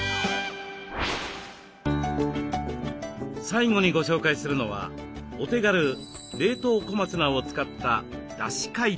最後にご紹介するのはお手軽冷凍小松菜を使っただし解凍。